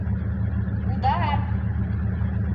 — Гудар!